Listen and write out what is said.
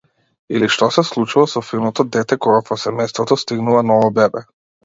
Или што се случува со финото дете кога во семејството стигнува ново бебе.